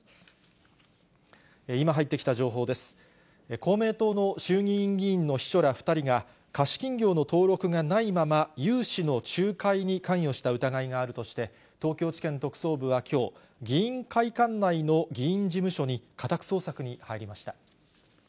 公明党の衆議院議員の秘書ら２人が、貸金業の登録がないまま、融資の仲介に関与した疑いがあるとして、東京地検特捜部はきょう、議員会館内の議員事務所に家宅捜索に入りました。